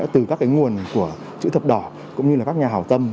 từ các nguồn của chữ thập đỏ cũng như các nhà hảo tâm